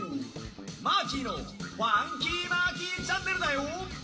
マーキーの「ファンキーマーキーチャンネル」だよ！